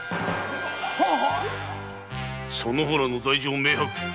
その方らの罪状明白。